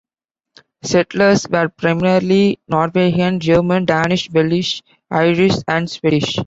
Settlers were primarily Norwegian, German, Danish, Welsh, Irish and Swedish.